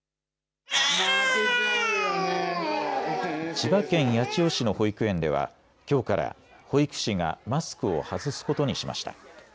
千葉県八千代市の保育園ではきょうから保育士がマスクを外すことにしました。